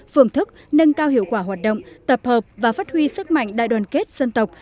phương thức nâng cao hiệu quả hoạt động tập hợp và phát huy sức mạnh đại đoàn kết dân tộc